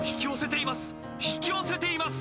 引き寄せています。